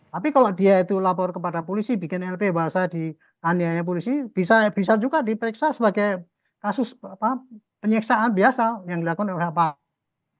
tapi kalau dia itu lapor kepada polisi bikin lp bahwa saya dianiaya polisi bisa juga diperiksa sebagai kasus penyiksaan biasa yang dilakukan oleh pak